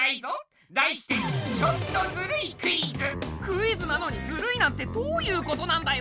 題してクイズなのにずるいなんてどういうことなんだよ